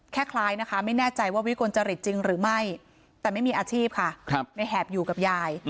คล้ายนะคะไม่แน่ใจว่าวิกลจริตจริงหรือไม่แต่ไม่มีอาชีพค่ะในแหบอยู่กับยาย